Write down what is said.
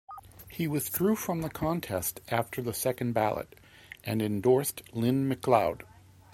He withdrew from the contest after the second ballot, and endorsed Lyn McLeod.